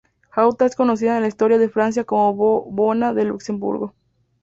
Jutta es conocida en la historia de Francia como Bona de Luxemburgo.